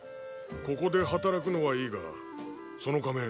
ここで働くのはいいがその仮面